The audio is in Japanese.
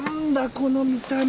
この見た目。